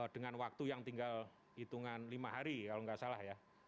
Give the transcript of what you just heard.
dengan waktu yang tinggal hitungan lima hari kalau nggak salah ya